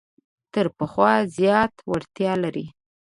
تر پخوا زیاته وړتیا لري.